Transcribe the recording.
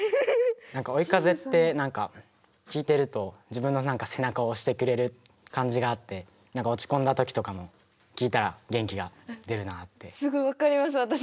何か「追い風」って何か聴いてると自分の何か背中を押してくれる感じがあって何か落ち込んだ時とかも聴いたら元気が出るなって。